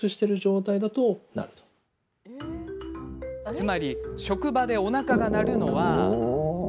つまり、職場でおなかが鳴るのは。